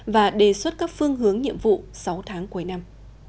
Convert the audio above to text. và đề xuất các phương hướng nhiệm vụ sáu tháng cuối năm